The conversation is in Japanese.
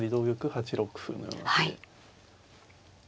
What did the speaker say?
８六歩のような手で。